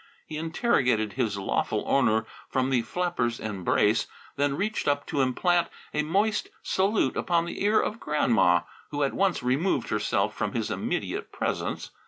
He interrogated his lawful owner from the flapper's embrace, then reached up to implant a moist salute upon the ear of Grandma, who at once removed herself from his immediate presence.